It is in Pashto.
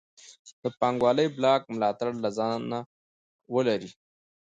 د پانګوالۍ بلاک ملاتړ له ځانه ولري.